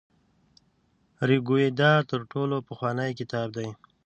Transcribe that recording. ریګویډا تر ټولو پخوانی کتاب دی.